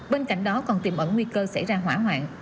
bên cạnh đó còn tiềm ẩn nguy cơ xảy ra hỏa hoạn